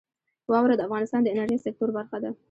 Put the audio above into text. واوره د افغانستان د انرژۍ سکتور برخه ده.